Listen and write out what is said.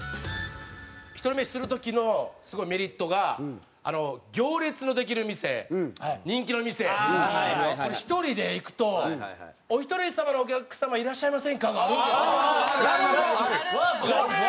ひとり飯する時のすごいメリットが行列のできる店人気の店これ１人で行くと「お一人様のお客様いらっしゃいませんか？」があるんですよ。